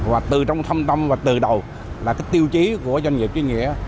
và từ trong thâm tâm và từ đầu là cái tiêu chí của doanh nghiệp duy nghĩa